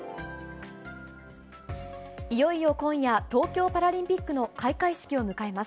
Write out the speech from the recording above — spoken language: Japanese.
いよいよ今夜、東京パラリンピックの開会式を迎えます。